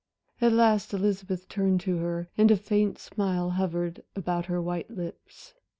At last Elizabeth turned to her, and a faint smile hovered about her white lips.